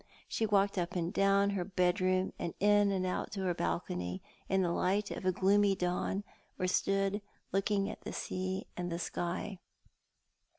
She walked up and down her bed room, and in and out to her balcony, in the light of a gloomy dawn, or stood looking at the sea and the sky.